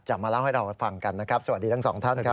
มาเล่าให้เราฟังกันนะครับสวัสดีทั้งสองท่านครับ